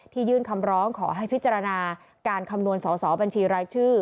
ยื่นคำร้องขอให้พิจารณาการคำนวณสอสอบัญชีรายชื่อ